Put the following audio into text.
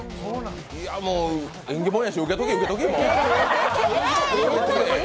もう縁起物やし受けとけ受けとけ、もう。